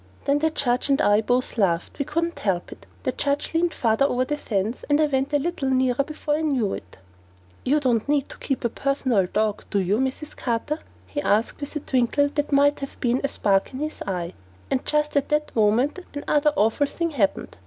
Then the judge and I both laughed. We couldn't help it. The judge leaned farther over the fence, and I went a little nearer before I knew it. "You don't need to keep a personal dog, do you, Mrs. Carter?" he asked, with a twinkle that might have been a spark in his eyes, and just at that moment another awful thing happened.